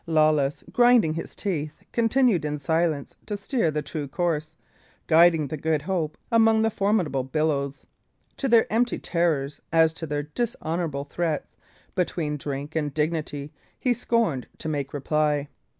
Lawless, grinding his teeth, continued in silence to steer the true course, guiding the Good Hope among the formidable billows. To their empty terrors, as to their dishonourable threats, between drink and dignity he scorned to make reply.